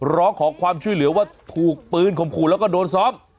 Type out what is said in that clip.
ร้องขอความช่วยเหลือว่าถูกปืนข่มขู่แล้วก็โดนซ้อม